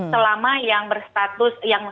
selama yang bersangkutan